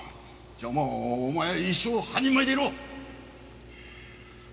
じゃあもうお前一生半人前でいろ！